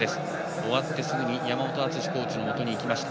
終わってすぐに山本篤コーチのもとに行きました。